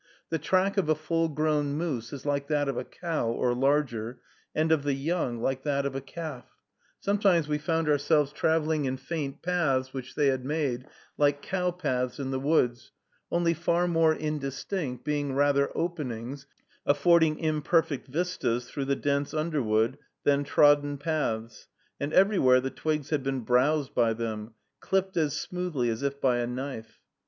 The track of a full grown moose is like that of a cow, or larger, and of the young, like that of a calf. Sometimes we found ourselves traveling in faint paths, which they had made, like cow paths in the woods, only far more indistinct, being rather openings, affording imperfect vistas through the dense underwood, than trodden paths; and everywhere the twigs had been browsed by them, clipped as smoothly as if by a knife.